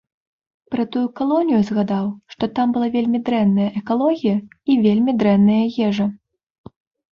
Пра тую калонію згадаў, што там была вельмі дрэнная экалогія і вельмі дрэнная ежа.